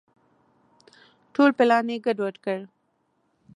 ټول پلان یې ګډ وډ کړ.